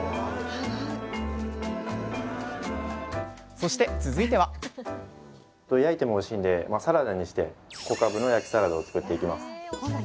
そして続いてはこれ焼いてもおいしいんでサラダにしてこかぶの焼きサラダを作っていきます。